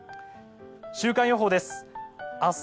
週間予報です。